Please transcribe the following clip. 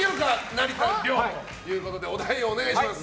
成田凌ということでお題をお願いします。